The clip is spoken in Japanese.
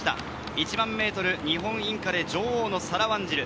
１００００ｍ日本インカレ女王のサラ・ワンジル。